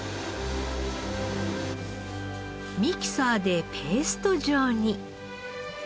ミキサーでペースト状に。